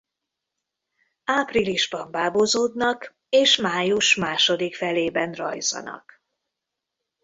Áprilisban bábozódnak és május második felében rajzanak.